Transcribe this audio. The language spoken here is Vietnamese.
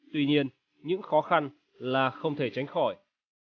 tuy nhiên những khó khăn là không thể tránh khỏi